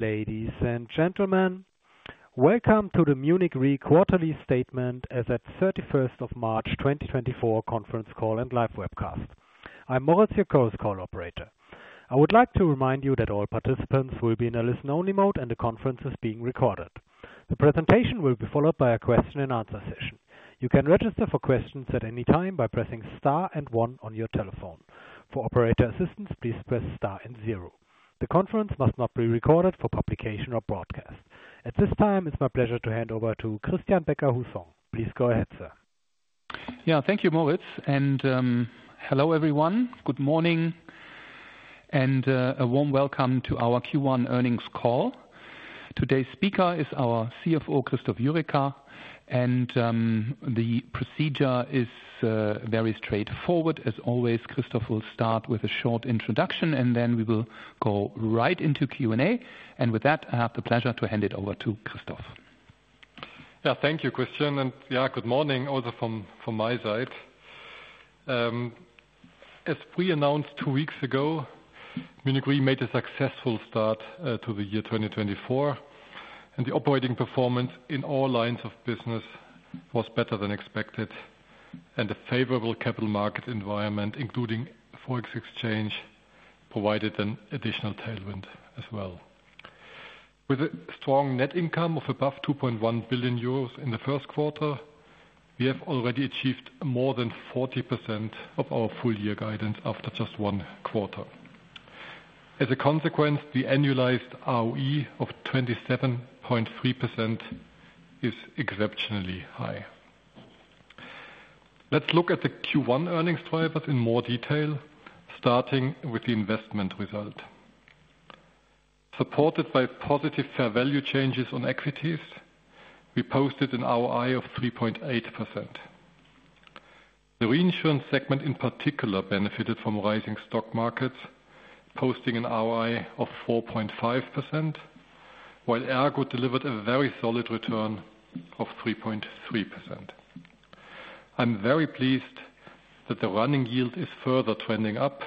Ladies and gentlemen, welcome to the Munich Re quarterly statement as of 31 March 2024 conference call and live webcast. I'm Moritz Jeworrek, call operator. I would like to remind you that all participants will be in a listen-only mode and the conference is being recorded. The presentation will be followed by a question-and-answer session. You can register for questions at any time by pressing star and 1 on your telephone. For operator assistance, please press star and 0. The conference must not be recorded for publication or broadcast. At this time, it's my pleasure to hand over to Christian Becker-Hussong. Please go ahead, sir. Yeah, thank you, Moritz. And hello everyone. Good morning and a warm welcome to our Q1 earnings call. Today's speaker is our CFO, Christoph Jurecka, and the procedure is very straightforward. As always, Christoph will start with a short introduction, and then we will go right into Q&A. And with that, I have the pleasure to hand it over to Christoph. Yeah, thank you, Christian. And yeah, good morning also from my side. As we announced two weeks ago, Munich Re made a successful start to the year 2024, and the operating performance in all lines of business was better than expected. A favorable capital market environment, including foreign exchange, provided an additional tailwind as well. With a strong net income of above 2.1 billion euros in the Q1, we have already achieved more than 40% of our full-year guidance after just one quarter. As a consequence, the annualized ROE of 27.3% is exceptionally high. Let's look at the Q1 earnings drivers in more detail, starting with the investment result. Supported by positive fair value changes on equities, we posted an ROI of 3.8%. The reinsurance segment in particular benefited from rising stock markets, posting an ROI of 4.5%, while ERGO delivered a very solid return of 3.3%. I'm very pleased that the running yield is further trending up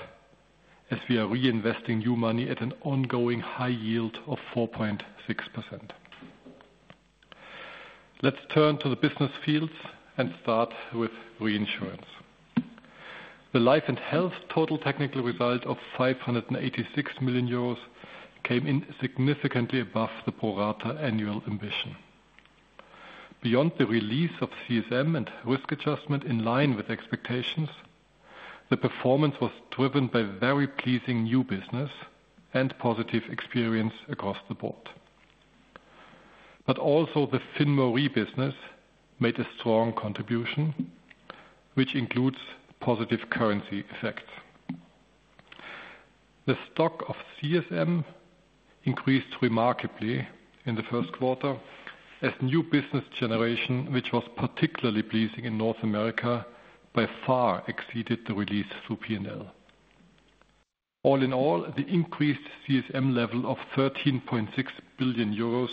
as we are reinvesting new money at an ongoing high yield of 4.6%. Let's turn to the business fields and start with reinsurance. The life and health total technical result of 586 million euros came in significantly above the pro rata annual ambition. Beyond the release of CSM and risk adjustment in line with expectations, the performance was driven by very pleasing new business and positive experience across the board. But also the FinMoRe business made a strong contribution, which includes positive currency effects. The stock of CSM increased remarkably in the Q1 as new business generation, which was particularly pleasing in North America, by far exceeded the release through P&L. All in all, the increased CSM level of 13.6 billion euros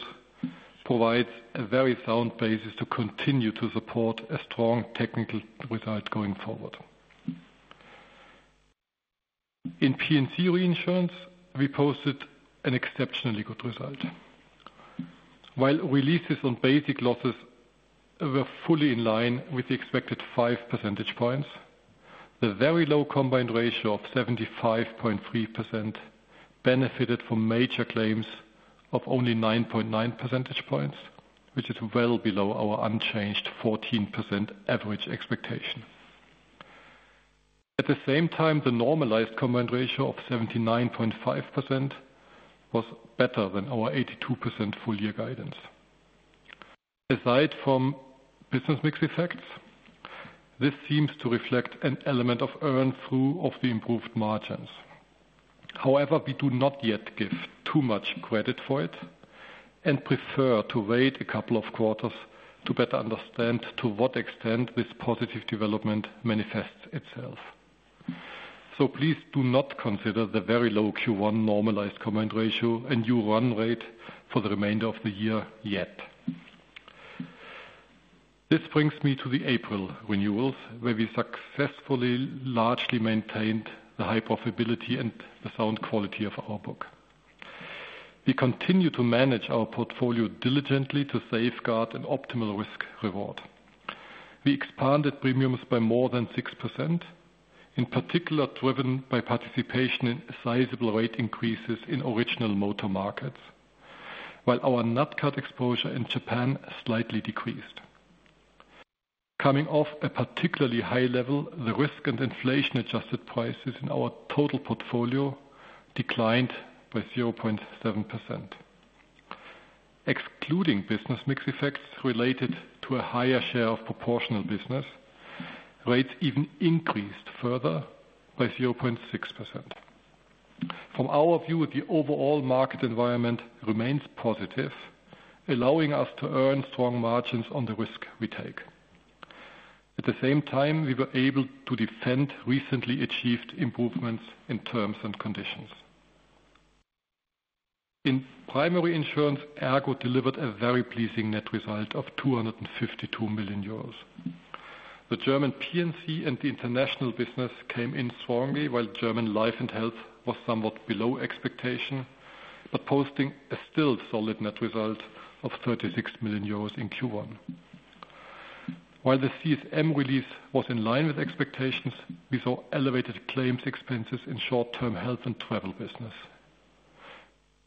provides a very sound basis to continue to support a strong technical result going forward. In P&C reinsurance, we posted an exceptionally good result. While releases on basic losses were fully in line with the expected 5 percentage points, the very low combined ratio of 75.3% benefited from major claims of only 9.9 percentage points, which is well below our unchanged 14% average expectation. At the same time, the normalized combined ratio of 79.5% was better than our 82% full-year guidance. Aside from business mix effects, this seems to reflect an element of earn-through of the improved margins. However, we do not yet give too much credit for it and prefer to wait a couple of quarters to better understand to what extent this positive development manifests itself. So please do not consider the very low Q1 normalized combined ratio and new run rate for the remainder of the year yet. This brings me to the April renewals, where we successfully largely maintained the high profitability and the sound quality of our book. We continue to manage our portfolio diligently to safeguard an optimal risk-reward. We expanded premiums by more than 6%, in particular driven by participation in sizable rate increases in original motor markets, while our NatCat exposure in Japan slightly decreased. Coming off a particularly high level, the risk and inflation-adjusted prices in our total portfolio declined by 0.7%. Excluding business mix effects related to a higher share of proportional business, rates even increased further by 0.6%. From our view, the overall market environment remains positive, allowing us to earn strong margins on the risk we take. At the same time, we were able to defend recently achieved improvements in terms and conditions. In primary insurance, ERGO delivered a very pleasing net result of 252 million euros. The German P&C and the international business came in strongly, while German life and health was somewhat below expectation, but posting a still solid net result of 36 million euros in Q1. While the CSM release was in line with expectations, we saw elevated claims expenses in short-term health and travel business.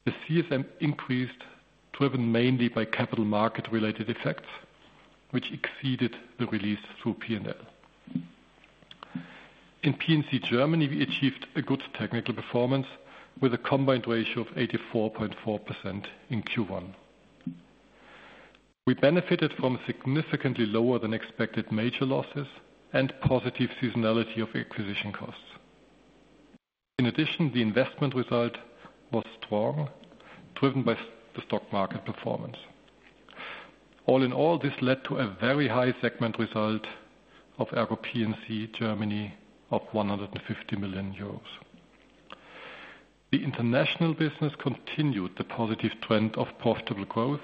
The CSM increased driven mainly by capital market-related effects, which exceeded the release through P&L. In P&C Germany, we achieved a good technical performance with a combined ratio of 84.4% in Q1. We benefited from significantly lower than expected major losses and positive seasonality of acquisition costs. In addition, the investment result was strong, driven by the stock market performance. All in all, this led to a very high segment result of ERGO P&C Germany of 150 million euros. The international business continued the positive trend of profitable growth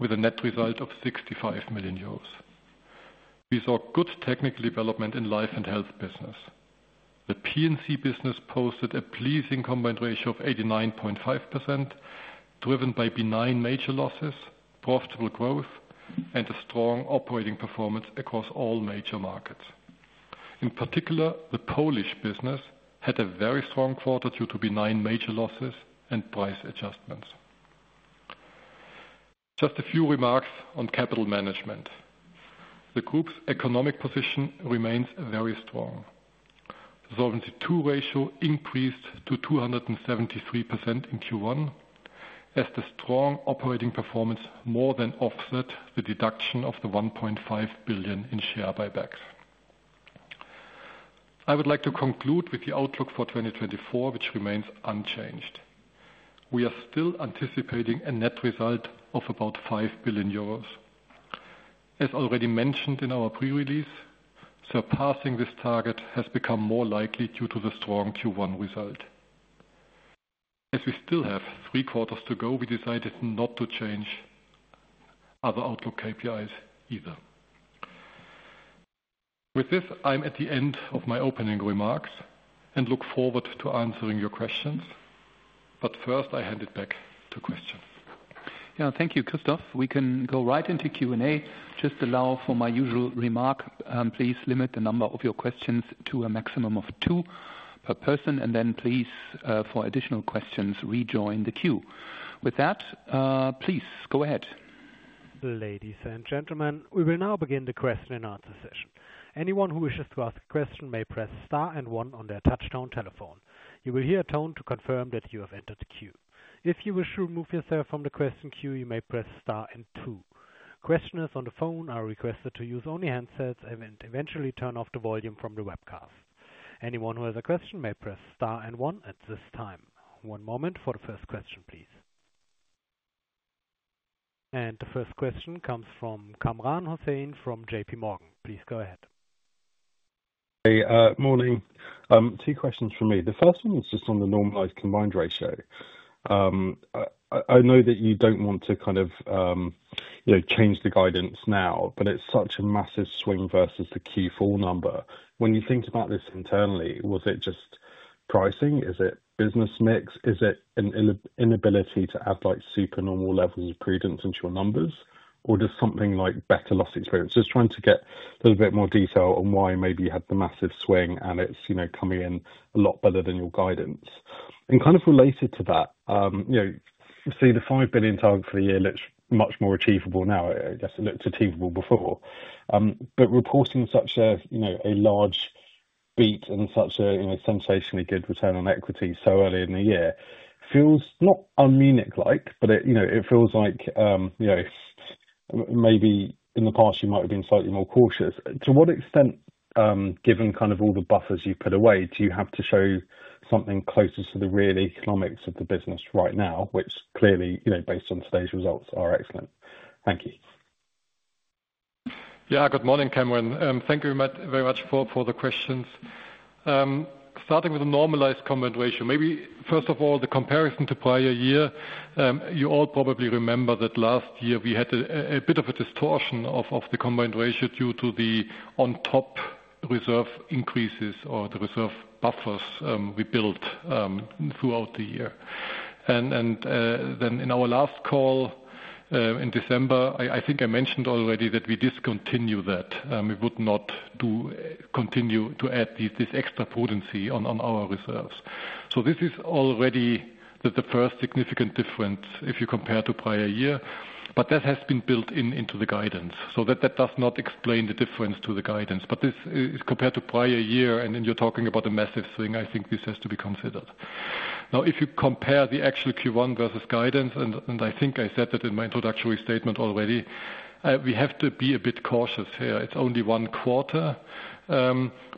with a net result of 65 million euros. We saw good technical development in life and health business. The P&C business posted a pleasing combined ratio of 89.5%, driven by benign major losses, profitable growth, and a strong operating performance across all major markets. In particular, the Polish business had a very strong quarter due to benign major losses and price adjustments. Just a few remarks on capital management. The group's economic position remains very strong. The Solvency ratio increased to 273% in Q1, as the strong operating performance more than offset the deduction of the 1.5 billion in share buybacks. I would like to conclude with the outlook for 2024, which remains unchanged. We are still anticipating a net result of about 5 billion euros. As already mentioned in our pre-release, surpassing this target has become more likely due to the strong Q1 result. As we still have three quarters to go, we decided not to change other outlook KPIs either. With this, I'm at the end of my opening remarks and look forward to answering your questions. But first, I hand it back to Christian. Yeah, thank you, Christoph. We can go right into Q&A. Just allow for my usual remark. Please limit the number of your questions to a maximum of two per person, and then please, for additional questions, rejoin the queue. With that, please go ahead. Ladies and gentlemen, we will now begin the question-and-answer session. Anyone who wishes to ask a question may press star and 1 on their touch-tone telephone. You will hear a tone to confirm that you have entered the queue. If you wish to remove yourself from the question queue, you may press star and 2. Questioners on the phone are requested to use only handsets and eventually turn off the volume from the webcast. Anyone who has a question may press star and 1 at this time. One moment for the first question, please. And the first question comes from Kamran Hossain from JP Morgan. Please go ahead. Hi, morning. Two questions from me. The first one is just on the normalized combined ratio. I know that you don't want to kind of, you know, change the guidance now, but it's such a massive swing versus the Q4 number. When you think about this internally, was it just pricing? Is it business mix? Is it an inability to add, like, supernormal levels of prudence into your numbers, or just something like better loss experience? Just trying to get a little bit more detail on why maybe you had the massive swing and it's, you know, coming in a lot better than your guidance. And kind of related to that, you know, see, the 5 billion target for the year looks much more achievable now. I guess it looked achievable before. But reporting such a, you know, a large beat and such a, you know, sensationally good return on equity so early in the year feels not un-Munich-like, but it, you know, it feels like, you know, maybe in the past you might have been slightly more cautious. To what extent, given kind of all the buffers you've put away, do you have to show something closer to the real economics of the business right now, which clearly, you know, based on today's results, are excellent? Thank you. Yeah, good morning, Cameron. Thank you very much for the questions. Starting with the normalized combined ratio, maybe first of all, the comparison to prior year, you all probably remember that last year we had a bit of a distortion of the combined ratio due to the on-top reserve increases or the reserve buffers we built throughout the year. And then in our last call, in December, I think I mentioned already that we discontinue that. We would not continue to add this extra prudency on our reserves. So this is already the first significant difference if you compare to prior year, but that has been built into the guidance. So that does not explain the difference to the guidance. But this is compared to prior year, and then you're talking about a massive swing. I think this has to be considered. Now, if you compare the actual Q1 versus guidance, and I think I said that in my introductory statement already, we have to be a bit cautious here. It's only one quarter.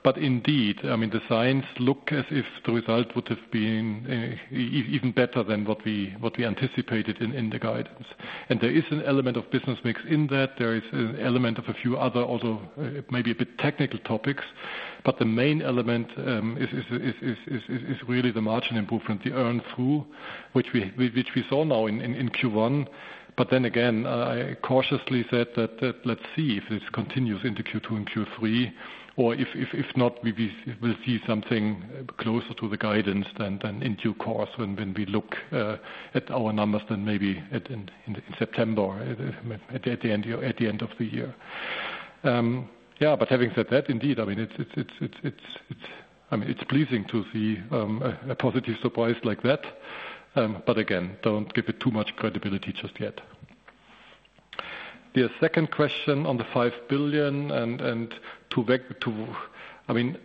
But indeed, I mean, the signs look as if the result would have been even better than what we anticipated in the guidance. And there is an element of business mix in that. There is an element of a few other also maybe a bit technical topics. But the main element is really the margin improvement, the earn-through, which we saw now in Q1. But then again, I cautiously said that let's see if this continues into Q2 and Q3, or if not, we will see something closer to the guidance than in due course. When we look at our numbers then maybe in September, at the end of the year. Yeah, but having said that, indeed, I mean, it's pleasing to see a positive surprise like that. But again, don't give it too much credibility just yet. The second question on the 5 billion and to Vinit, I mean,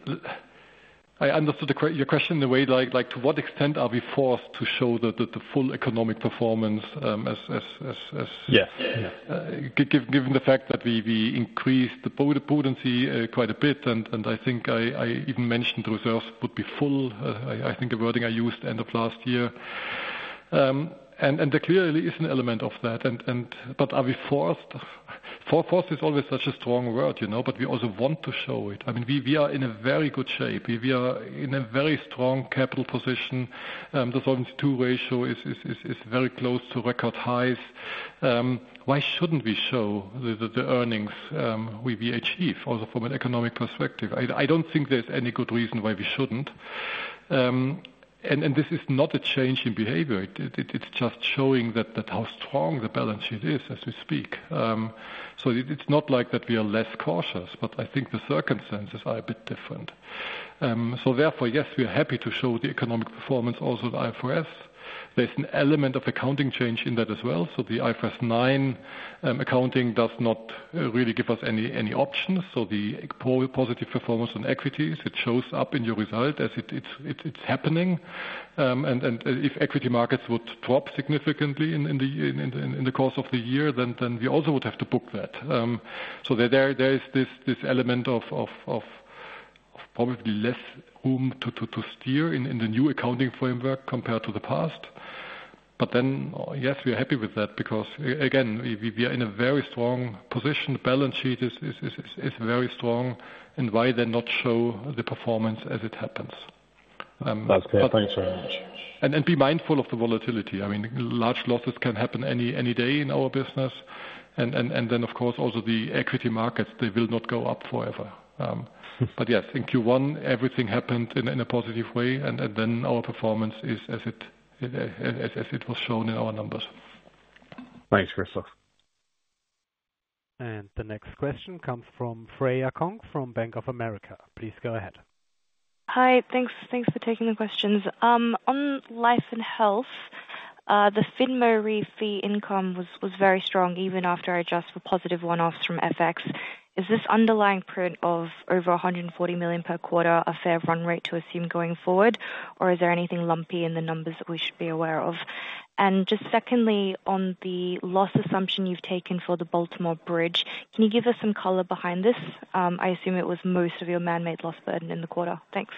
I understood the question in a way like to what extent are we forced to show the full economic performance, as. Yes. Yeah. Given the fact that we increased the prudency quite a bit, and I think I even mentioned the reserves would be full. I think the wording I used end of last year, and there clearly is an element of that. And but are we forced? Forced is always such a strong word, you know, but we also want to show it. I mean, we are in a very good shape. We are in a very strong capital position. The Solvency II ratio is very close to record highs. Why shouldn't we show the earnings we achieve also from an economic perspective? I don't think there's any good reason why we shouldn't. And this is not a change in behavior. It's just showing that how strong the balance sheet is as we speak. So it's not like that we are less cautious, but I think the circumstances are a bit different. So therefore, yes, we are happy to show the economic performance also in IFRS. There's an element of accounting change in that as well. So the IFRS 9 accounting does not really give us any options. So the positive performance on equities, it shows up in your result as it's happening. And if equity markets would drop significantly in the course of the year, then we also would have to book that. So there is this element of probably less room to steer in the new accounting framework compared to the past. But then, yes, we are happy with that because, again, we are in a very strong position. The balance sheet is very strong. And why then not show the performance as it happens? That's great. Thanks very much. Be mindful of the volatility. I mean, large losses can happen any day in our business. And then, of course, also the equity markets, they will not go up forever. But yes, in Q1, everything happened in a positive way. And then our performance is as it was shown in our numbers. Thanks, Christoph. The next question comes from Freya Kong from Bank of America. Please go ahead. Hi. Thanks, thanks for taking the questions. On life and health, the FinMoRe income was, was very strong even after I adjust for positive one-offs from FX. Is this underlying print of over 140 million per quarter a fair run rate to assume going forward, or is there anything lumpy in the numbers that we should be aware of? And just secondly, on the loss assumption you've taken for the Baltimore Bridge, can you give us some color behind this? I assume it was most of your man-made loss burden in the quarter. Thanks.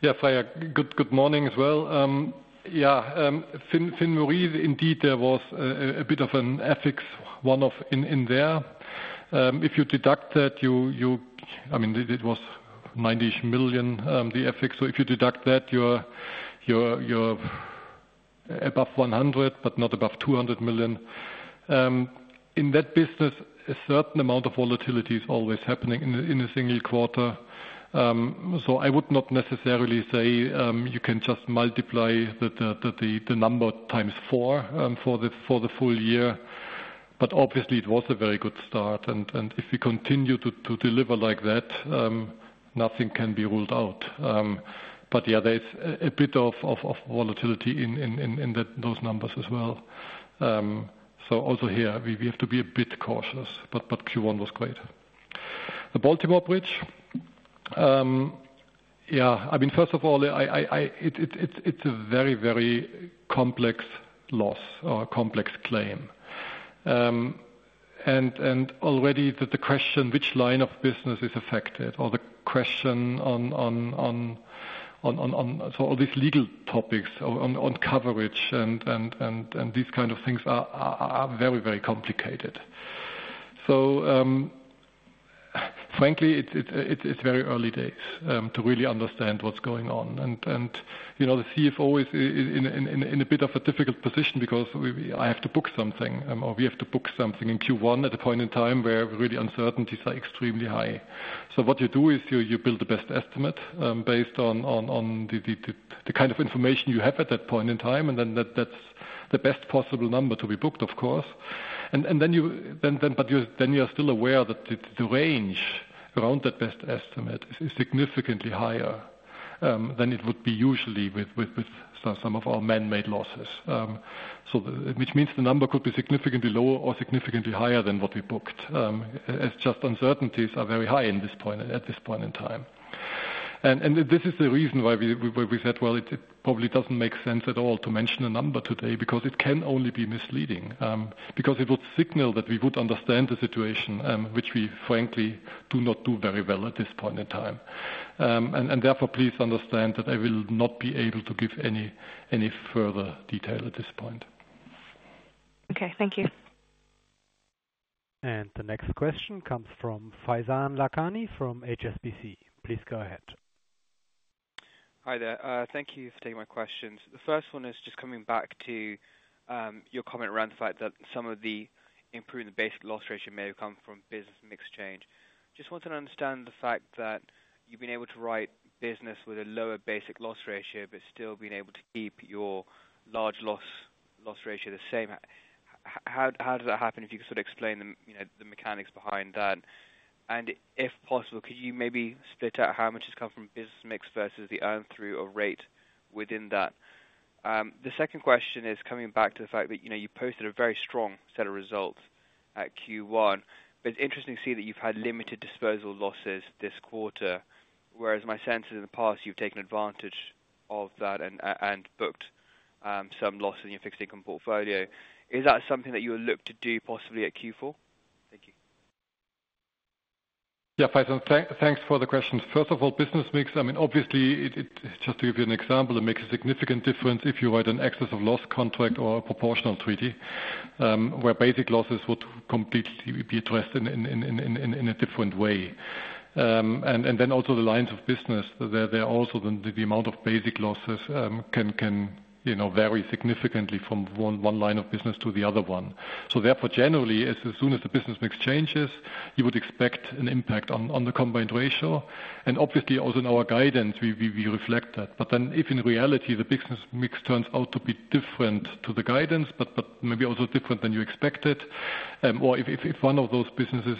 Yeah, Freya, good morning as well. Yeah, FinMoRe indeed, there was a bit of an FX one-off in there. If you deduct that, you I mean, it was 90-ish million, the FX. So if you deduct that, you're above 100 million but not above 200 million. In that business, a certain amount of volatility is always happening in a single quarter. So I would not necessarily say you can just multiply the number times four for the full year. But obviously, it was a very good start. And if we continue to deliver like that, nothing can be ruled out. But yeah, there's a bit of volatility in those numbers as well. So also here, we have to be a bit cautious, but Q1 was great. The Baltimore Bridge, yeah, I mean, first of all, it, it's a very, very complex loss or complex claim. And already the question which line of business is affected or the question on so all these legal topics on coverage and these kind of things are very, very complicated. So, frankly, it's very early days to really understand what's going on. And, you know, the CFO is in a bit of a difficult position because we have to book something, or we have to book something in Q1 at a point in time where really uncertainties are extremely high. So what you do is you build the best estimate, based on the kind of information you have at that point in time. And then that's the best possible number to be booked, of course. And then but you're still aware that the range around that best estimate is significantly higher than it would be usually with some of our man-made losses. So which means the number could be significantly lower or significantly higher than what we booked, as just uncertainties are very high at this point in time. This is the reason why we said, well, it probably doesn't make sense at all to mention a number today because it can only be misleading, because it would signal that we would understand the situation, which we, frankly, do not do very well at this point in time. And therefore, please understand that I will not be able to give any further detail at this point. Okay. Thank you. The next question comes from Faizan Lakani from HSBC. Please go ahead. Hi there. Thank you for taking my questions. The first one is just coming back to your comment around the fact that some of the improvement in the basic loss ratio may have come from business mix change. Just wanted to understand the fact that you've been able to write business with a lower basic loss ratio, but still being able to keep your large loss loss ratio the same. How does that happen? If you could sort of explain the, you know, the mechanics behind that. If possible, could you maybe split out how much has come from business mix versus the earn-through or rate within that? The second question is coming back to the fact that, you know, you posted a very strong set of results at Q1, but it's interesting to see that you've had limited disposal losses this quarter, whereas my sense is in the past, you've taken advantage of that and, and booked, some loss in your fixed income portfolio. Is that something that you would look to do possibly at Q4? Thank you. Yeah, Faizan, thanks, thanks for the questions. First of all, business mix, I mean, obviously, it just to give you an example, it makes a significant difference if you write an excessive loss contract or a proportional treaty, where basic losses would completely be addressed in a different way. And then also the lines of business, there are also the amount of basic losses can, you know, vary significantly from one line of business to the other one. So therefore, generally, as soon as the business mix changes, you would expect an impact on the combined ratio. And obviously, also in our guidance, we reflect that. But then if in reality, the business mix turns out to be different to the guidance, but maybe also different than you expected, or if one of those businesses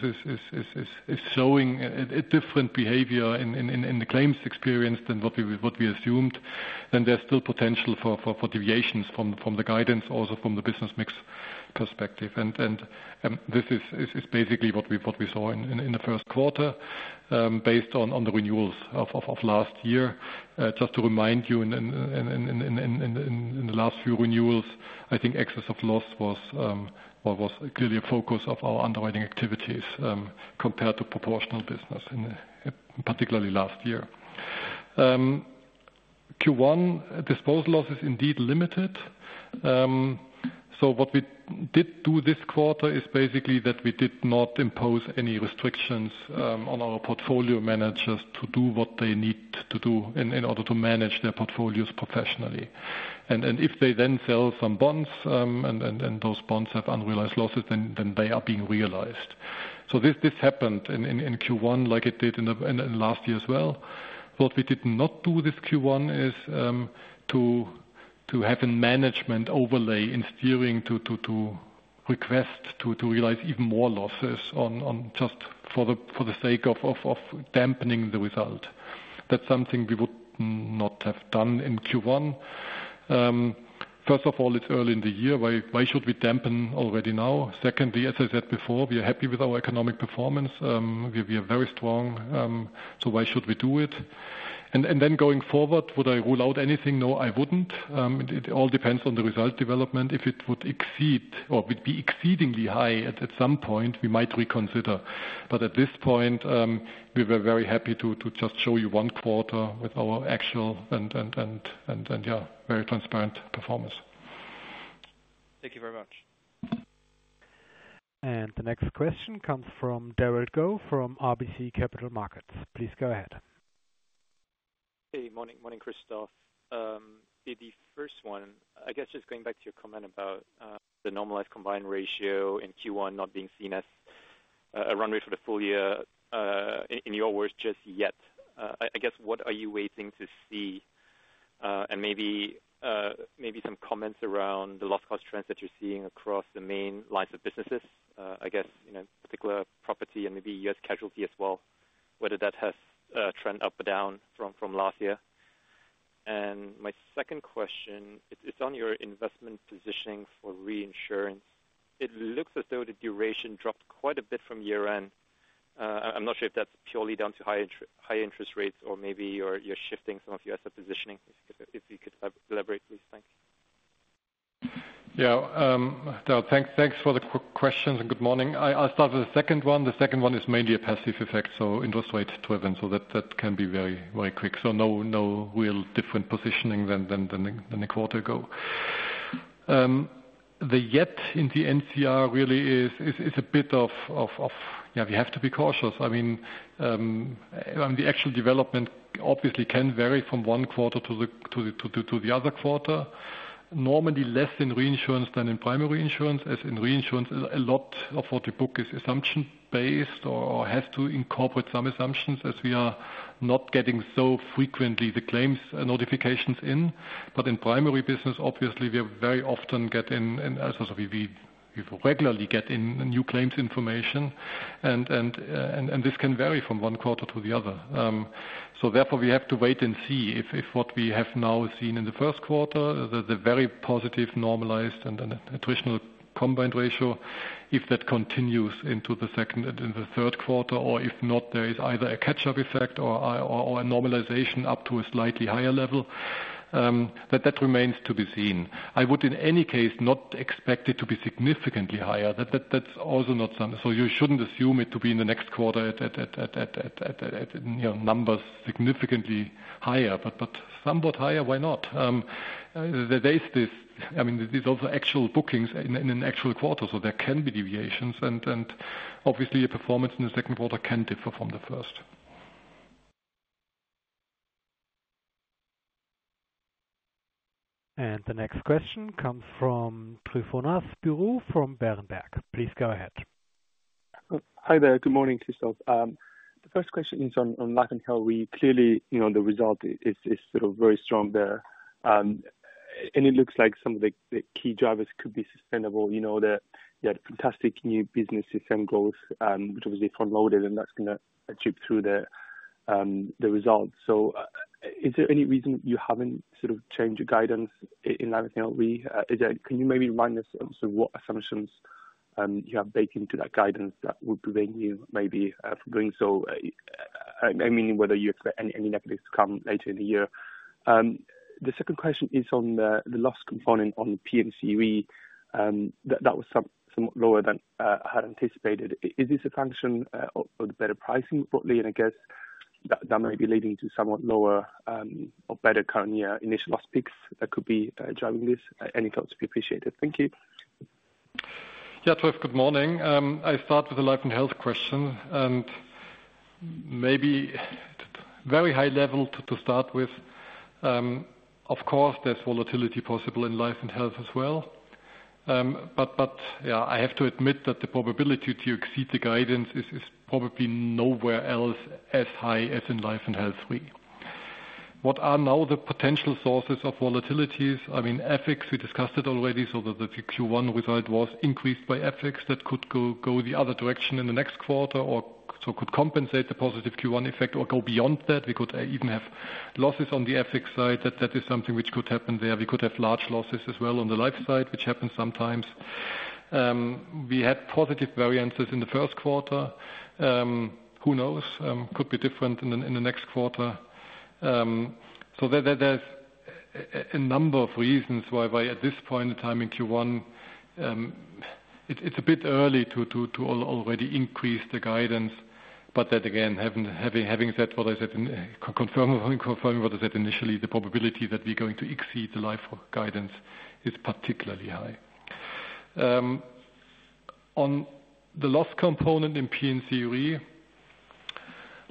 is showing a different behavior in the claims experience than what we assumed, then there's still potential for deviations from the guidance, also from the business mix perspective. And this is basically what we saw in the Q1, based on the renewals of last year. Just to remind you, in the last few renewals, I think excess of loss was clearly a focus of our underwriting activities, compared to proportional business in particular last year. Q1 non-proportional loss is indeed limited. So what we did do this quarter is basically that we did not impose any restrictions on our portfolio managers to do what they need to do in order to manage their portfolios professionally. And if they then sell some bonds, and those bonds have unrealized losses, then they are being realized. So this happened in Q1 like it did in last year as well. What we did not do this Q1 is to have a management overlay in steering to request to realize even more losses just for the sake of dampening the result. That's something we would not have done in Q1. First of all, it's early in the year. Why should we dampen already now? Secondly, as I said before, we are happy with our economic performance. We are very strong. So why should we do it? And then going forward, would I rule out anything? No, I wouldn't. It all depends on the result development. If it would exceed or would be exceedingly high at some point, we might reconsider. But at this point, we were very happy to just show you one quarter with our actual and yeah, very transparent performance. Thank you very much. The next question comes from Derald Goh from RBC Capital Markets. Please go ahead. Hey, morning, Christoph. The first one, I guess just going back to your comment about the normalized combined ratio in Q1 not being seen as a run rate for the full year, in your words, just yet. I guess what are you waiting to see, and maybe some comments around the loss cost trends that you're seeing across the main lines of businesses, I guess, you know, particular property and maybe U.S. casualty as well, whether that has trend up or down from last year. And my second question, it's on your investment positioning for reinsurance. It looks as though the duration dropped quite a bit from year-end. I'm not sure if that's purely down to high interest rates or maybe you're shifting some of your asset positioning. If you could elaborate, please. Thank you. Yeah, Derald, thanks, thanks for the quick questions and good morning. I, I'll start with the second one. The second one is mainly a passive effect, so interest rate driven. So that, that can be very, very quick. So no, no real different positioning than, than, than the quarter ago. The yet in the NCR really is, is, is a bit of, of, of yeah, we have to be cautious. I mean, I mean, the actual development obviously can vary from one quarter to the to the to the other quarter. Normally less in reinsurance than in primary insurance, as in reinsurance, a lot of what we book is assumption-based or, or has to incorporate some assumptions as we are not getting so frequently the claims notifications in. But in primary business, obviously, we very often get in and also we, we, we regularly get in new claims information. This can vary from one quarter to the other. So therefore, we have to wait and see if, if what we have now seen in the Q1, the very positive normalized and attritional combined ratio, if that continues into the second and the Q3, or if not, there is either a catch-up effect or a normalization up to a slightly higher level. That remains to be seen. I would in any case not expect it to be significantly higher. That, that's also not something so you shouldn't assume it to be in the next quarter at, you know, numbers significantly higher. But somewhat higher, why not? There's this I mean, there's also actual bookings in an actual quarter. So there can be deviations. And obviously, your performance in the Q2 can differ from the first. The next question comes from Tove Fauconnier from Bernstein. Please go ahead. Hi there. Good morning, Christoph. The first question is on life and health. We clearly, you know, the result is sort of very strong there. And it looks like some of the key drivers could be sustainable. You know, you had fantastic new businesses and growth, which obviously front-loaded, and that's going to chip through the results. So is there any reason you haven't sort of changed your guidance in life and health? We, is there—can you maybe remind us of sort of what assumptions you have baked into that guidance that would prevent you maybe from doing so? I mean, whether you expect any negatives to come later in the year. The second question is on the loss component on the P&C. That was somewhat lower than I had anticipated. Is this a function of the better pricing broadly? I guess that, that may be leading to somewhat lower, or better current year initial loss peaks that could be, driving this. Any thoughts to be appreciated? Thank you. Yeah, Tove, good morning. I start with a life and health question. And maybe very high level to, to start with. Of course, there's volatility possible in life and health as well. But, but yeah, I have to admit that the probability to exceed the guidance is, is probably nowhere else as high as in life and health. What are now the potential sources of volatilities? I mean, FX, we discussed it already. So the Q1 result was increased by FX. That could go, go the other direction in the next quarter or so could compensate the positive Q1 effect or go beyond that. We could even have losses on the FX side. That, that is something which could happen there. We could have large losses as well on the life side, which happens sometimes. We had positive variances in the Q1. Who knows? It could be different in the next quarter. So there are a number of reasons why at this point in time in Q1, it's a bit early to already increase the guidance. But that, again, having said what I said and confirming what I said initially, the probability that we're going to exceed the life guidance is particularly high. On the loss component in P&C,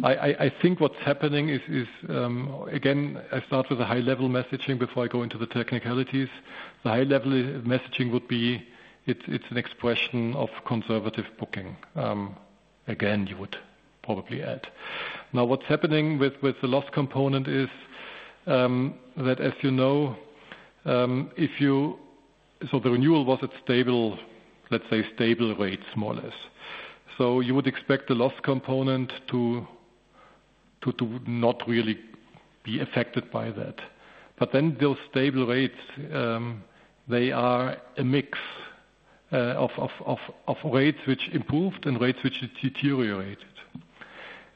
I think what's happening is, again, I start with a high-level messaging before I go into the technicalities. The high-level messaging would be, it's an expression of conservative booking. Again, you would probably add. Now, what's happening with the loss component is that as you know, so the renewal was at stable, let's say, stable rates more or less. So you would expect the loss component to not really be affected by that. But then those stable rates, they are a mix of rates which improved and rates which deteriorated.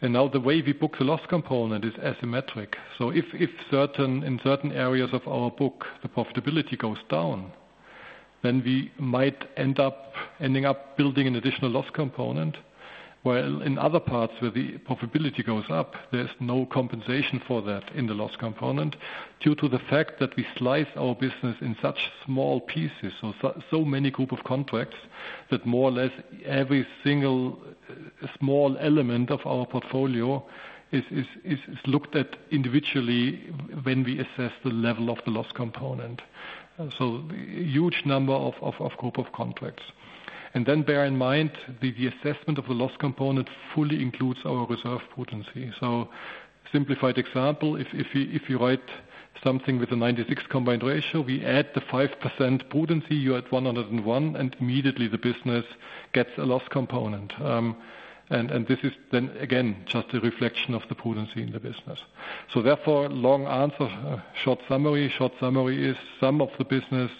And now the way we book the loss component is asymmetric. So if in certain areas of our book, the profitability goes down, then we might end up building an additional loss component. While in other parts where the profitability goes up, there's no compensation for that in the loss component due to the fact that we slice our business in such small pieces, so many group of contracts that more or less every single small element of our portfolio is looked at individually when we assess the level of the loss component. So huge number of group of contracts. Then bear in mind, the assessment of the loss component fully includes our reserve prudence. So simplified example, if you write something with a 96 combined ratio, we add the 5% prudence, you add 1/1, and immediately the business gets a loss component. And this is then, again, just a reflection of the prudence in the business. So therefore, long answer, short summary. Short summary is some of the business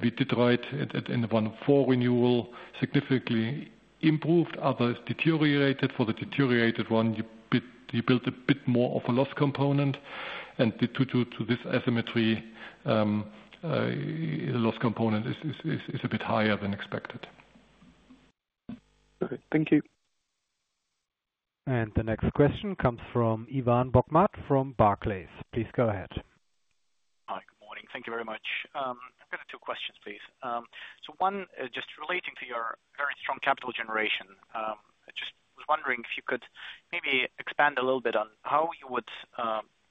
we did write in the 1/4 renewal significantly improved, others deteriorated. For the deteriorated one, you built a bit more of a loss component. And due to this asymmetry, the loss component is a bit higher than expected. All right. Thank you. And the next question comes from Ivan Bokhmat from Barclays. Please go ahead. Hi, good morning. Thank you very much. I've got two questions, please. So one, just relating to your very strong capital generation, I just was wondering if you could maybe expand a little bit on how you would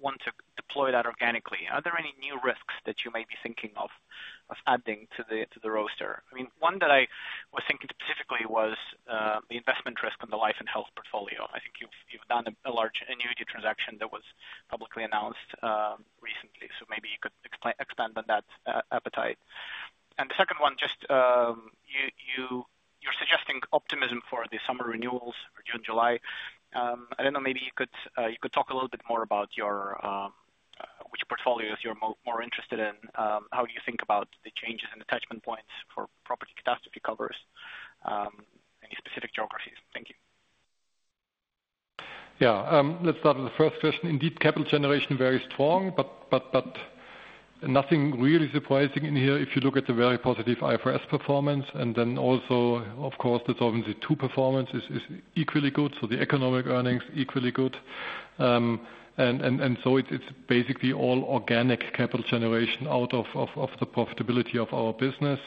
want to deploy that organically. Are there any new risks that you may be thinking of adding to the roster? I mean, one that I was thinking specifically was the investment risk on the life and health portfolio. I think you've done a large annuity transaction that was publicly announced recently. So maybe you could expand on that appetite. And the second one, just, you're suggesting optimism for the summer renewals for June-July. I don't know, maybe you could talk a little bit more about which portfolios you're more interested in. How do you think about the changes in attachment points for property catastrophe covers? Any specific geographies? Thank you. Yeah, let's start with the first question. Indeed, capital generation very strong, but nothing really surprising in here if you look at the very positive IFRS performance. And then also, of course, the Solvency II performance is equally good. So the economic earnings equally good. And so it's basically all organic capital generation out of the profitability of our business,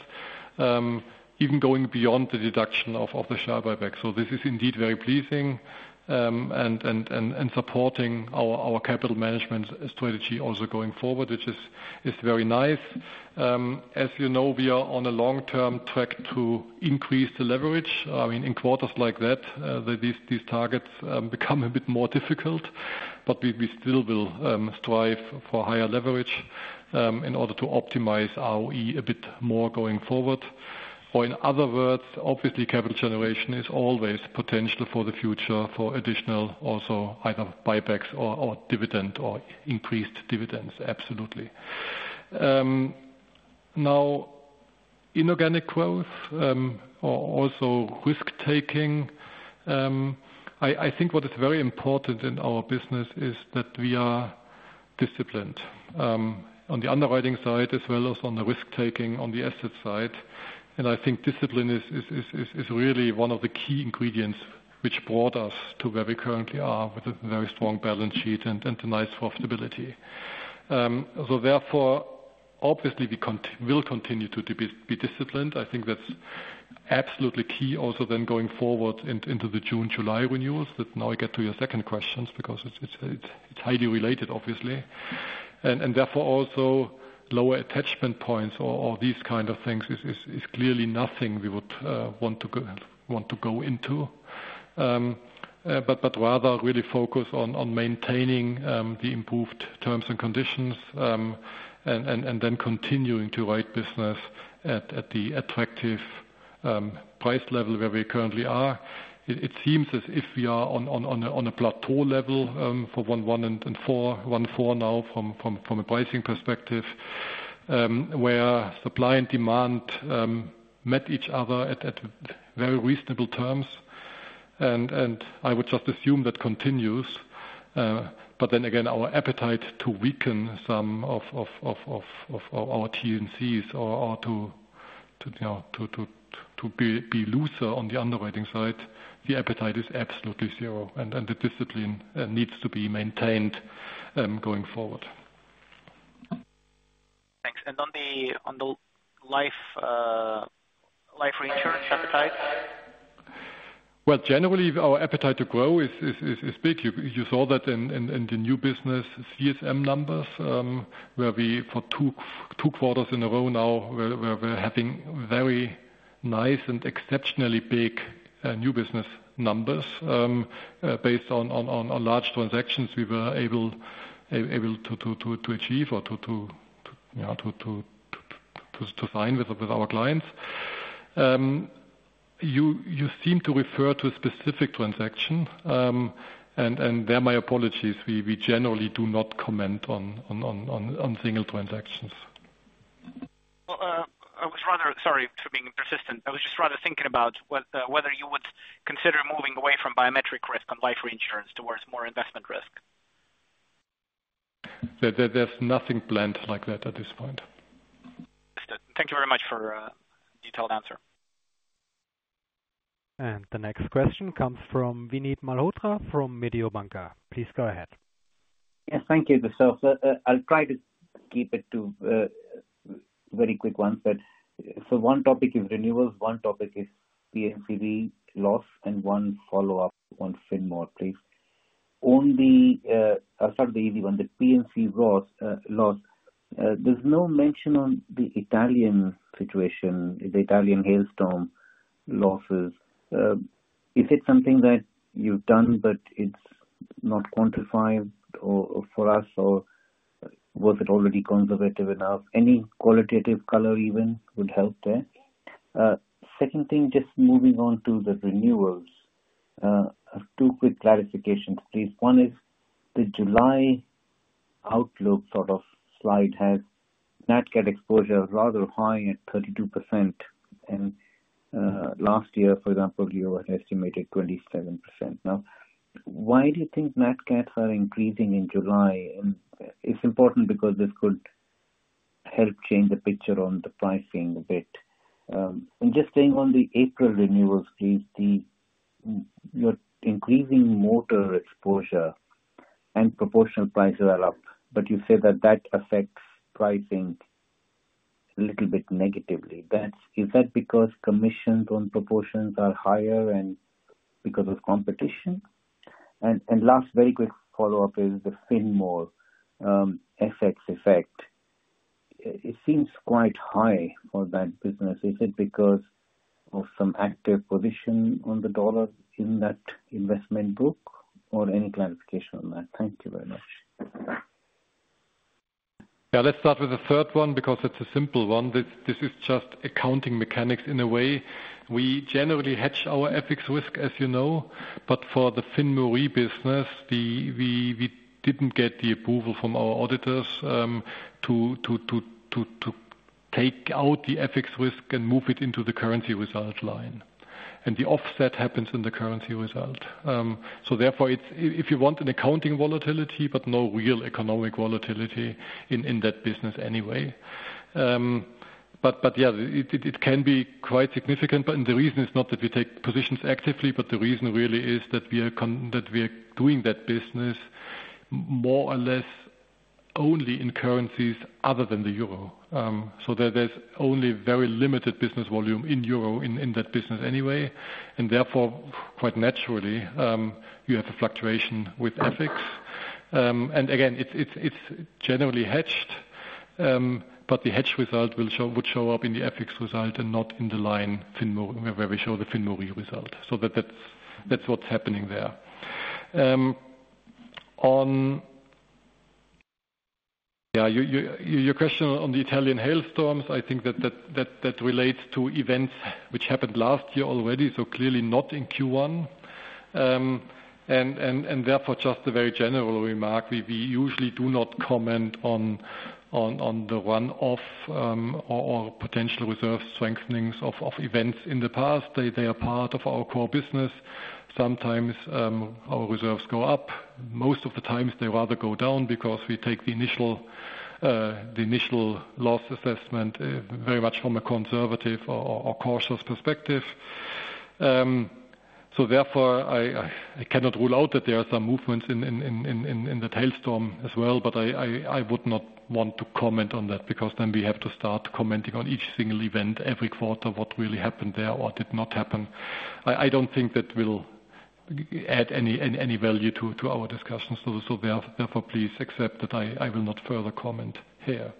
even going beyond the deduction of the share buyback. So this is indeed very pleasing, and supporting our capital management strategy also going forward, which is very nice. As you know, we are on a long-term track to increase the leverage. I mean, in quarters like that, these targets become a bit more difficult. But we still will strive for higher leverage, in order to optimize ROE a bit more going forward. Or in other words, obviously, capital generation is always potential for the future for additional also either buybacks or dividend or increased dividends, absolutely. Now, inorganic growth, or also risk-taking, I think what is very important in our business is that we are disciplined, on the underwriting side as well as on the risk-taking on the asset side. And I think discipline is really one of the key ingredients which brought us to where we currently are with a very strong balance sheet and a nice profitability. So therefore, obviously, we will continue to be disciplined. I think that's absolutely key also then going forward into the June-July renewals. That now I get to your second questions because it's highly related, obviously. Therefore, also, lower attachment points or these kind of things is clearly nothing we would want to go into. But rather really focus on maintaining the improved terms and conditions, and then continuing to write business at the attractive price level where we currently are. It seems as if we are on a plateau level for 1/1 and 4/1 now from a pricing perspective, where supply and demand met each other at very reasonable terms. And I would just assume that continues. But then again, our appetite to weaken some of our T&Cs or to, you know, to be looser on the underwriting side, the appetite is absolutely zero. The discipline needs to be maintained, going forward. Thanks. On the life reinsurance appetite? Well, generally, our appetite to grow is big. You saw that in the new business CSM numbers, where we for two quarters in a row now, we're having very nice and exceptionally big new business numbers, based on large transactions we were able to achieve or, you know, to sign with our clients. You seem to refer to a specific transaction. And there, my apologies, we generally do not comment on single transactions. Well, I was rather sorry for being persistent. I was just rather thinking about whether you would consider moving away from biometric risk on life reinsurance towards more investment risk. There's nothing planned like that at this point. Understood. Thank you very much for a detailed answer. The next question comes from Vinit Malhotra from Mediobanca. Please go ahead. Yes, thank you, Christoph. I'll try to keep it to very quick ones. But so one topic is renewals, one topic is P&C loss, and one follow-up on FinMore, please. On the, I'll start with the easy one, the P&C loss. There's no mention on the Italian situation, the Italian hailstorm losses. Is it something that you've done, but it's not quantified or for us, or was it already conservative enough? Any qualitative color even would help there. Second thing, just moving on to the renewals, two quick clarifications, please. One is the July outlook sort of slide has NatCat exposure rather high at 32%. And, last year, for example, you were estimated 27%. Now, why do you think NatCats are increasing in July? And it's important because this could help change the picture on the pricing a bit. And just staying on the April renewals, please, you're increasing motor exposure, and proportional prices are up. But you say that that affects pricing a little bit negatively. That is, is that because commissions on proportions are higher and because of competition? And, and last very quick follow-up is the FinMoRe, FX effect. It seems quite high for that business. Is it because of some active position on the dollar in that investment book or any clarification on that? Thank you very much. Yeah, let's start with the third one because it's a simple one. This is just accounting mechanics in a way. We generally hedge our FX risk, as you know. But for the FinMoRe business, we didn't get the approval from our auditors to take out the FX risk and move it into the currency result line. And the offset happens in the currency result. So therefore, it's if you want an accounting volatility but no real economic volatility in that business anyway. But yeah, it can be quite significant. But the reason is not that we take positions actively, but the reason really is that we are doing that business more or less only in currencies other than the Euro. So there's only very limited business volume in Euro in that business anyway. And therefore, quite naturally, you have a fluctuation with FX. And again, it's generally hedged. But the hedge result will show up in the FX result and not in the line FinMoRe where we show the FinMoRe result. So that's what's happening there. Oh yeah, your question on the Italian hailstorms, I think that relates to events which happened last year already, so clearly not in Q1. And therefore, just a very general remark, we usually do not comment on the run-off or potential reserve strengthenings of events in the past. They are part of our core business. Sometimes, our reserves go up. Most of the times, they rather go down because we take the initial loss assessment very much from a conservative or cautious perspective. So therefore, I cannot rule out that there are some movements in that hailstorm as well. But I would not want to comment on that because then we have to start commenting on each single event every quarter, what really happened there or did not happen. I don't think that will add any value to our discussion. So therefore, please accept that I will not further comment here.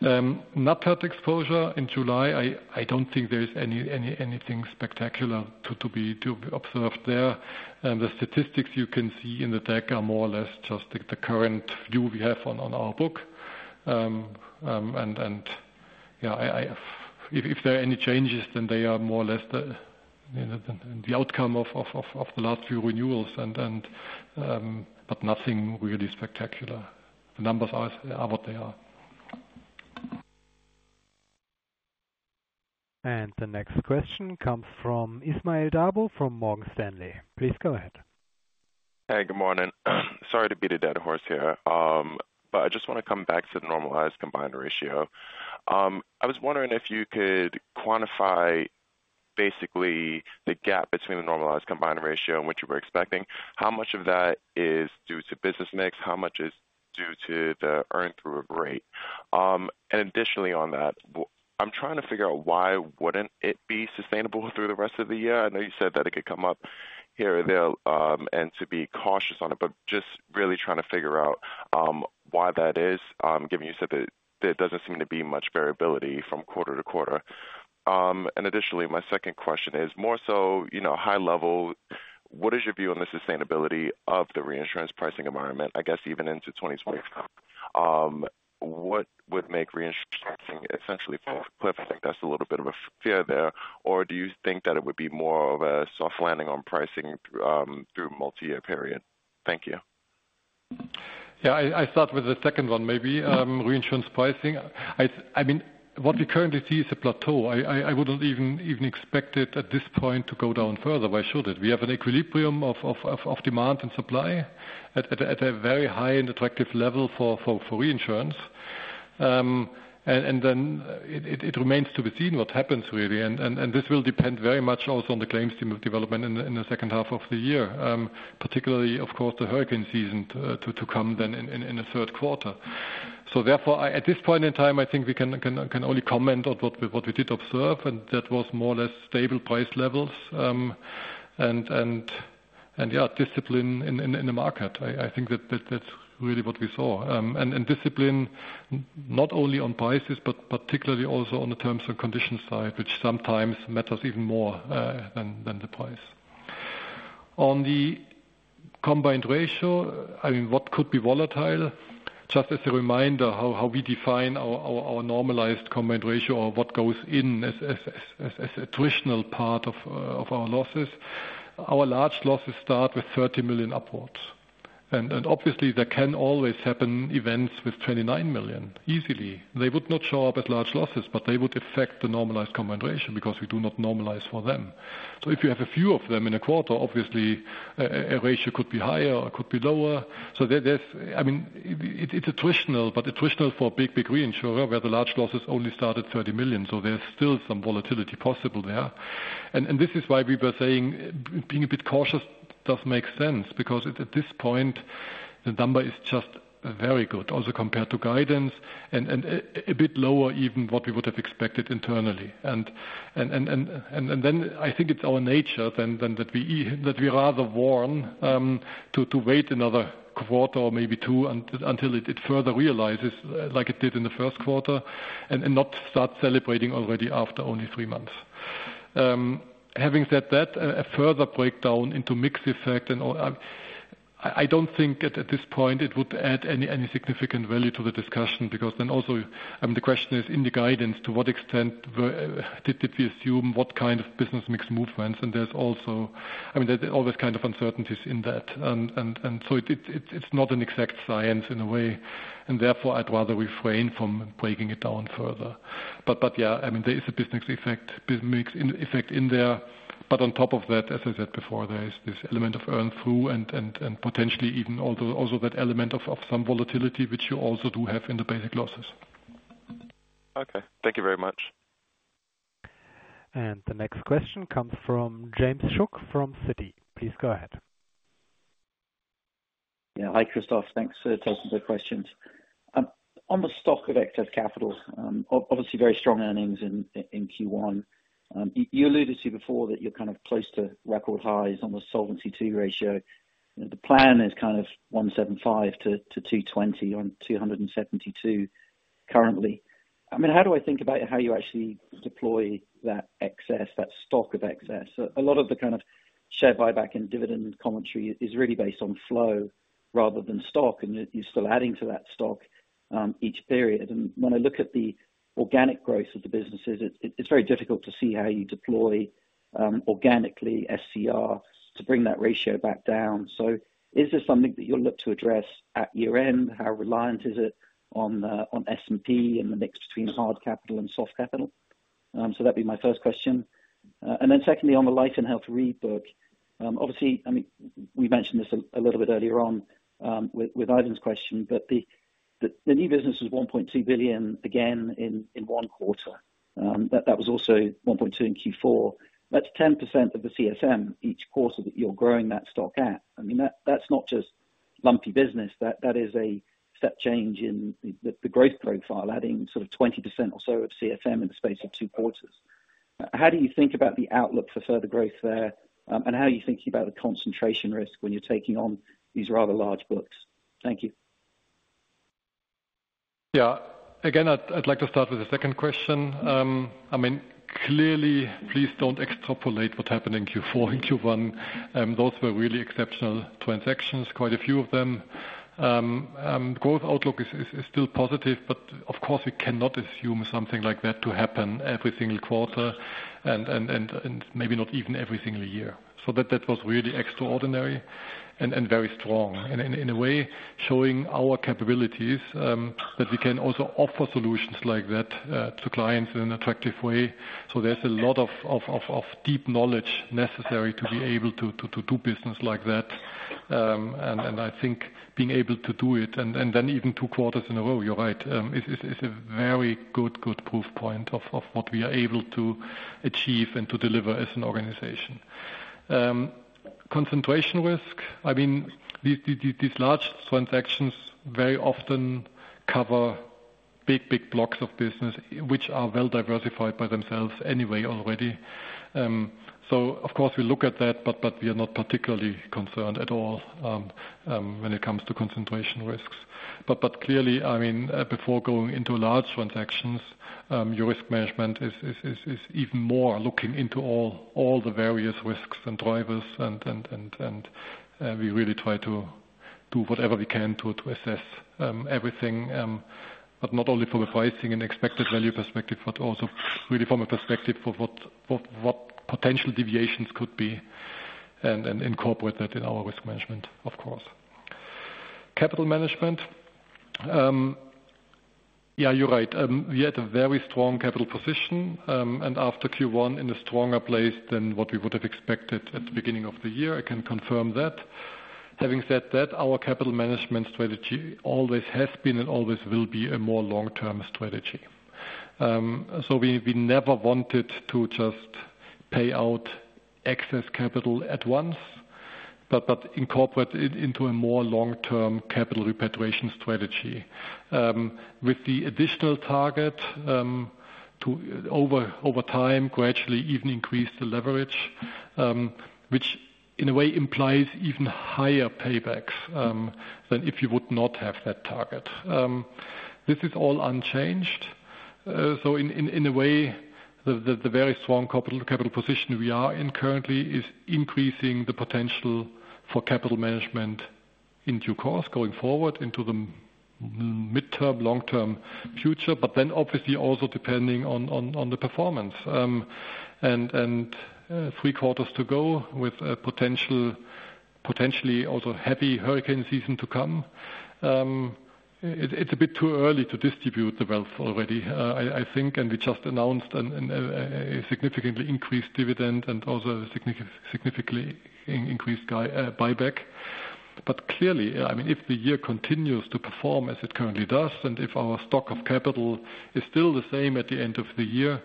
NatCat exposure in July, I don't think there is anything spectacular to observe there. The statistics you can see in the deck are more or less just the current view we have on our book. Yeah, if there are any changes, then they are more or less, you know, the outcome of the last few renewals. But nothing really spectacular. The numbers are what they are. The next question comes from Ismail Dabo from Morgan Stanley. Please go ahead. Hey, good morning. Sorry to beat a dead horse here. But I just want to come back to the normalized combined ratio. I was wondering if you could quantify basically the gap between the normalized combined ratio and what you were expecting. How much of that is due to business mix? How much is due to the earn-through rate? And additionally on that, I'm trying to figure out why wouldn't it be sustainable through the rest of the year? I know you said that it could come up here or there, and to be cautious on it. But just really trying to figure out why that is, given you said that there doesn't seem to be much variability from quarter-to-quarter. Additionally, my second question is more so, you know, high level, what is your view on the sustainability of the reinsurance pricing environment, I guess, even into 2025? What would make reinsurance essentially fall off a cliff? I think that's a little bit of a fear there. Or do you think that it would be more of a soft landing on pricing, through multi-year period? Thank you. Yeah, I start with the second one maybe, reinsurance pricing. I mean, what we currently see is a plateau. I wouldn't even expect it at this point to go down further. Why should it? We have an equilibrium of demand and supply at a very high and attractive level for reinsurance. And then it remains to be seen what happens really. And this will depend very much also on the claims development in the second half of the year, particularly, of course, the hurricane season to come then in the Q3. So therefore, I at this point in time, I think we can only comment on what we did observe. And that was more or less stable price levels, and yeah, discipline in the market. I think that's really what we saw. And discipline not only on prices but particularly also on the terms and conditions side, which sometimes matters even more than the price. On the combined ratio, I mean, what could be volatile? Just as a reminder how we define our normalized combined ratio or what goes in as a traditional part of our losses, our large losses start with 30 million upwards. And obviously, there can always happen events with 29 million easily. They would not show up as large losses, but they would affect the normalized combined ratio because we do not normalize for them. So if you have a few of them in a quarter, obviously, a ratio could be higher or could be lower. So there, there's I mean, it's attritional, but attritional for a big, big reinsurer where the large losses only start at 30 million. So there's still some volatility possible there. And this is why we were saying being a bit cautious does make sense because at this point, the number is just very good also compared to guidance and a bit lower even what we would have expected internally. And then I think it's our nature then that we rather warn to wait another quarter or maybe two until it further realizes like it did in the Q1 and not start celebrating already after only three months. Having said that, a further breakdown into mix effect and all—I mean, I don't think at this point it would add any significant value to the discussion because then also—I mean, the question is in the guidance, to what extent did we assume what kind of business mix movements? And there's also—I mean, there's always kind of uncertainties in that. And so it, it's not an exact science in a way. And therefore, I'd rather refrain from breaking it down further. But yeah, I mean, there is a business mix effect in there. But on top of that, as I said before, there is this element of earn-through and potentially even also that element of some volatility which you also do have in the basic losses. Okay. Thank you very much. The next question comes from James Shuck from Citi. Please go ahead. Yeah, hi, Christoph. Thanks for taking the questions. On the stock of Excess Capital, obviously very strong earnings in Q1. You alluded to before that you're kind of close to record highs on the Solvency II ratio. The plan is kind of 175%-220% on 272% currently. I mean, how do I think about how you actually deploy that excess, that stock of excess? A lot of the kind of share buyback and dividend commentary is really based on flow rather than stock. And you're still adding to that stock, each period. And when I look at the organic growth of the businesses, it's very difficult to see how you deploy organically SCR to bring that ratio back down. So is this something that you'll look to address at year-end? How reliant is it on S&P and the mix between hard capital and soft capital? So that'd be my first question. Then secondly, on the life and health rebook, obviously, I mean, we mentioned this a little bit earlier on, with, with Ivan's question. But the, the new business is 1.2 billion again in, in one quarter. That, that was also 1.2 billion in Q4. That's 10% of the CSM each quarter that you're growing that stock at. I mean, that, that's not just lumpy business. That, that is a step change in the, the growth profile, adding sort of 20% or so of CSM in the space of two quarters. How do you think about the outlook for further growth there, and how are you thinking about the concentration risk when you're taking on these rather large books? Thank you. Yeah. Again, I'd like to start with the second question. I mean, clearly, please don't extrapolate what's happening in Q4 and Q1. Those were really exceptional transactions, quite a few of them. The growth outlook is still positive. But of course, we cannot assume something like that to happen every single quarter and maybe not even every single year. So that was really extraordinary and very strong in a way, showing our capabilities, that we can also offer solutions like that to clients in an attractive way. So there's a lot of deep knowledge necessary to be able to do business like that. I think being able to do it and then even two quarters in a row, you're right, is a very good proof point of what we are able to achieve and to deliver as an organization. Concentration risk, I mean, these large transactions very often cover big blocks of business which are well diversified by themselves anyway already. So of course, we look at that, but we are not particularly concerned at all when it comes to concentration risks. But clearly, I mean, before going into large transactions, your risk management is even more looking into all the various risks and drivers. We really try to do whatever we can to assess everything, but not only from a pricing and expected value perspective but also really from a perspective for what potential deviations could be and incorporate that in our risk management, of course. Capital management, yeah, you're right. We had a very strong capital position, and after Q1 in a stronger place than what we would have expected at the beginning of the year. I can confirm that. Having said that, our capital management strategy always has been and always will be a more long-term strategy. So we never wanted to just pay out excess capital at once but incorporate it into a more long-term capital repatriation strategy, with the additional target to over time gradually even increase the leverage, which in a way implies even higher paybacks than if you would not have that target. This is all unchanged. So in a way, the very strong capital position we are in currently is increasing the potential for capital management in due course, going forward into the mid-term, long-term future, but then obviously also depending on the performance. And three quarters to go with a potential potentially also heavy hurricane season to come. It's a bit too early to distribute the wealth already, I think. And we just announced a significantly increased dividend and also a significantly increased share buyback. But clearly, I mean, if the year continues to perform as it currently does and if our stock of capital is still the same at the end of the year,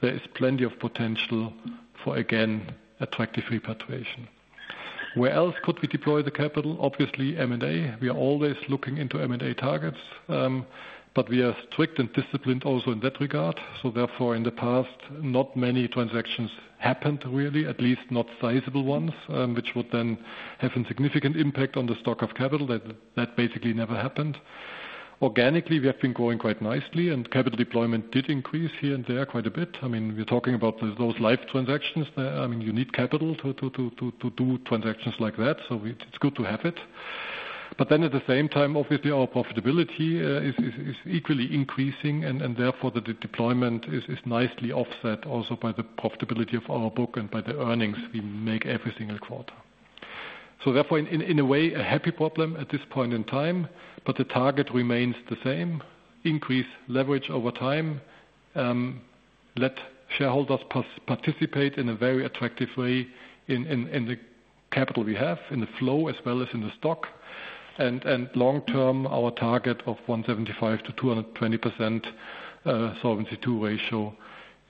there is plenty of potential for, again, attractive repatriation. Where else could we deploy the capital? Obviously, M&A. We are always looking into M&A targets, but we are strict and disciplined also in that regard. So therefore, in the past, not many transactions happened really, at least not sizable ones, which would then have a significant impact on the stock of capital. That basically never happened. Organically, we have been growing quite nicely, and capital deployment did increase here and there quite a bit. I mean, we're talking about those life transactions there. I mean, you need capital to do transactions like that. So it's good to have it. But then at the same time, obviously, our profitability is equally increasing. And therefore, the deployment is nicely offset also by the profitability of our book and by the earnings we make every single quarter. So therefore, in a way, a happy problem at this point in time. But the target remains the same: increase leverage over time, let shareholders participate in a very attractive way in the capital we have, in the flow as well as in the stock. And long-term, our target of 175%-220% Solvency II ratio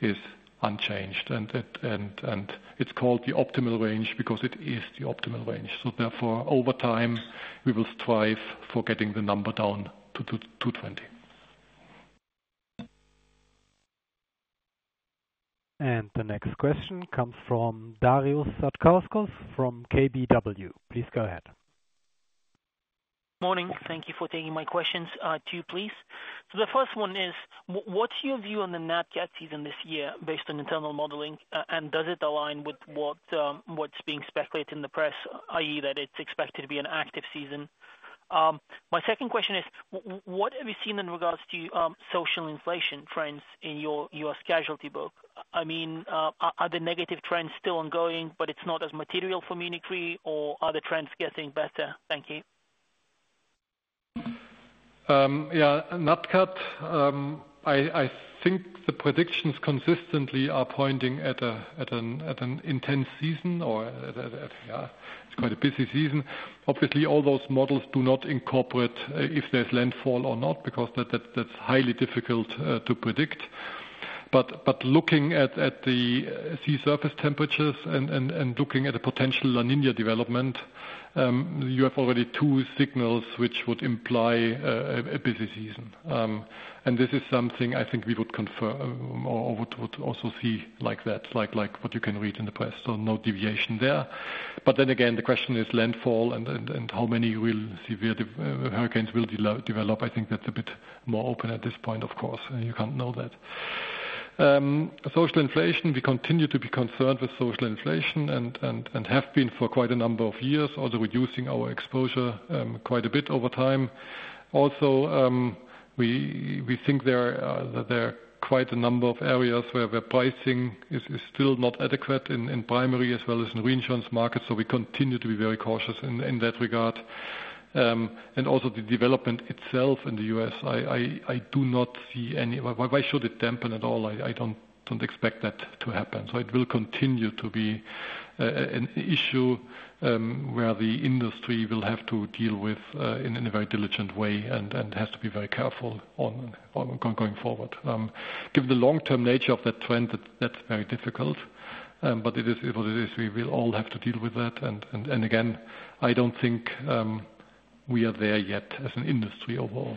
is unchanged. And it's called the optimal range because it is the optimal range. So therefore, over time, we will strive for getting the number down to 220. The next question comes from Darius Satkauskas from KBW. Please go ahead. Good morning. Thank you for taking my questions, too, please. So the first one is, what's your view on the NatCat season this year based on internal modeling, and does it align with what, what's being speculated in the press, i.e., that it's expected to be an active season? My second question is, what have you seen in regards to social inflation trends in your, your casualty book? I mean, are the negative trends still ongoing, but it's not as material for Munich Re? Or are the trends getting better? Thank you. Yeah, NatCat, I think the predictions consistently are pointing at an intense season or yeah, it's quite a busy season. Obviously, all those models do not incorporate if there's landfall or not because that's highly difficult to predict. But looking at the sea surface temperatures and looking at a potential La Niña development, you have already two signals which would imply a busy season. And this is something I think we would confirm or would also see like that, like what you can read in the press. So no deviation there. But then again, the question is landfall and how many real severe hurricanes will develop. I think that's a bit more open at this point, of course. You can't know that. Social inflation, we continue to be concerned with social inflation and have been for quite a number of years, also reducing our exposure quite a bit over time. Also, we think there are quite a number of areas where pricing is still not adequate in primary as well as in reinsurance markets. So we continue to be very cautious in that regard. And also the development itself in the U.S., I do not see any why should it dampen at all? I don't expect that to happen. So it will continue to be an issue where the industry will have to deal with in a very diligent way and has to be very careful on going forward. Given the long-term nature of that trend, that's very difficult. But it is what it is. We will all have to deal with that. And again, I don't think we are there yet as an industry overall.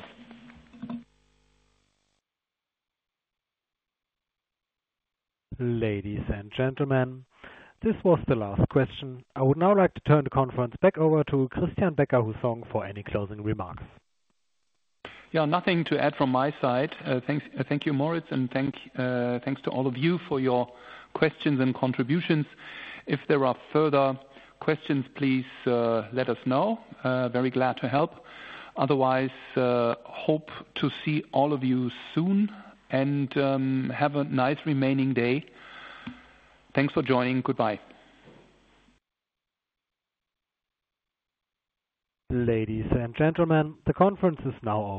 Ladies and gentlemen, this was the last question. I would now like to turn the conference back over to Christian Becker-Hussong for any closing remarks. Yeah, nothing to add from my side. Thanks, thank you, Moritz. And thank, thanks to all of you for your questions and contributions. If there are further questions, please let us know. Very glad to help. Otherwise, hope to see all of you soon and have a nice remaining day. Thanks for joining. Goodbye. Ladies and gentlemen, the conference is now over.